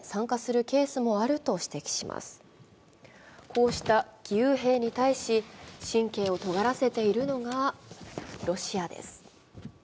こうした義勇兵に対し、神経を尖らせているのがロシアです。